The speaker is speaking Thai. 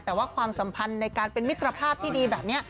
แต่ว่าความสัมพันธ์ในการเป็นมิตรภาพที่ดีแบบนี้